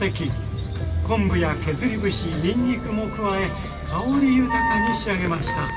昆布や削り節にんにくも加え香り豊かに仕上げました。